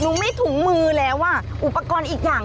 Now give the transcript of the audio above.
ไม่ถุงมือแล้วอ่ะอุปกรณ์อีกอย่าง